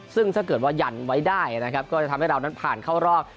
ซึ่งถ้าเกิดว่ายันไว้ได้นะครับก็จะทำให้เรานั้นผ่านเข้ารอบ